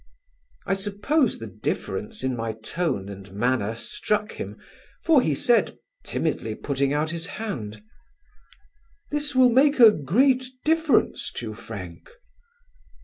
I suppose the difference in my tone and manner struck him, for he said, timidly putting out his hand: "This will make a great difference to you, Frank?"